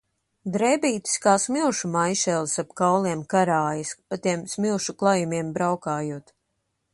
Drēbītes kā smilšu maišelis ap kauliem karājas, pa tiem smilšu klajumiem braukājot.